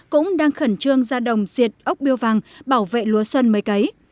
cũng đang khẩn trương ra đồng diệt ốc biêu vàng bảo vệ lúa xuân mới cấy